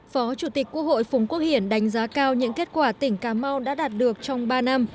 phó chủ tịch quốc hội phùng quốc hiển đánh giá cao những kết quả tỉnh cà mau đã đạt được trong ba năm